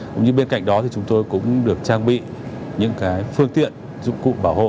cũng như bên cạnh đó thì chúng tôi cũng được trang bị những phương tiện dụng cụ bảo hộ